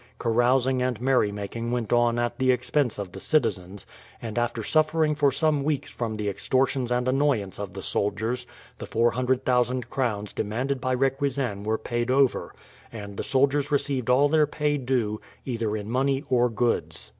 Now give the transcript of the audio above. Carousing and merry making went on at the expense of the citizens, and after suffering for some weeks from the extortions and annoyance of the soldiers, the 400,000 crowns demanded by Requesens were paid over, and the soldiers received all their pay due either in money or goods.